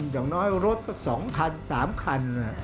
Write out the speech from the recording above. อย่างน้อยรถก็๒คัน๓คัน